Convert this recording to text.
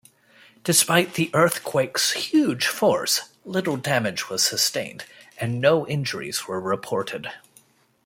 Despite the earthquake's huge force, little damage was sustained and no injuries were reported.